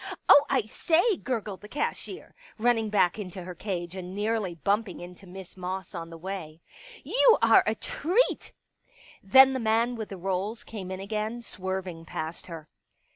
'" Oh, I say," gurgled the cashier, running back' into her cage and nearly bumping into Miss Moss on the way. " You are a treat !" Then the man with the rolls came in again, swerving past her.